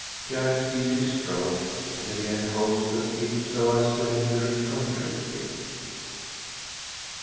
Jack ceases stroke, and again holds the skiff so as to hinder it from drifting.